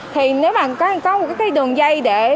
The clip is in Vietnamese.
thì nếu mà có một cái đường dây để